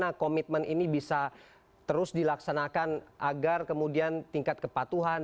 bagaimana komitmen ini bisa terus dilaksanakan agar kemudian tingkat kepatuhan